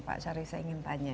pak syarif saya ingin tanya